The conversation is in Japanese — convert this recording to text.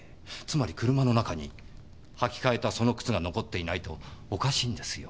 つまり車の中に履き替えたその靴が残っていないとおかしいんですよ。